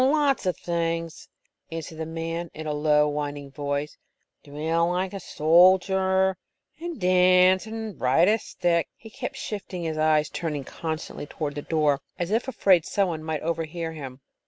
"Oh, lots of things," answered the man, in a low, whining voice. "Drill like a soldier, and dance, and ride a stick." He kept his shifty eyes turning constantly toward the door, as if afraid some one might overhear him.